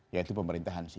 yaitu pemerintahan sipil